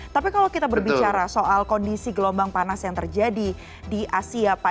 tapi kalau kita berbicara soal kondisi gelombang panas yang terjadi di asia pak